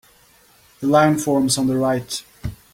The line forms on the right.